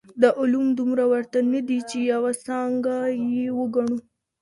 دا علوم دومره ورته نه دي چي يوه څانګه يې وګڼو.